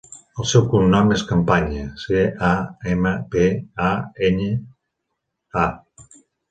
El seu cognom és Campaña: ce, a, ema, pe, a, enya, a.